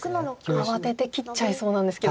慌てて切っちゃいそうなんですけど。